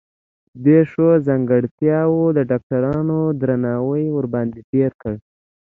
دې ښو ځانګرتياوو د ډاکټرانو درناوی ورباندې ډېر کړ.